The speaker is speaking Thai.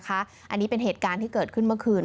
อันนี้เป็นเหตุการณ์ที่เกิดขึ้นเมื่อคืน